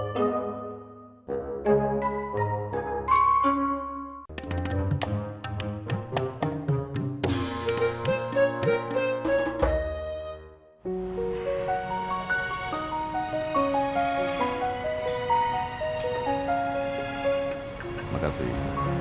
terima kasih ya